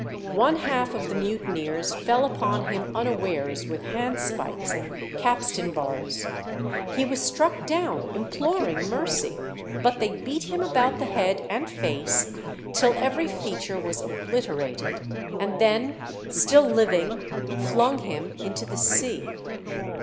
One half of the mutineers fell upon him unawares with handspikes and capstan bars. He was struck down, imploring mercy, but they beat him about the head and face till every feature was obliterated, and then, still living, flung him into the sea.